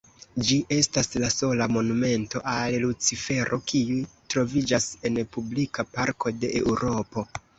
Ĝi estas la sola monumento al Lucifero kiu troviĝas en publika parko de Eŭropo.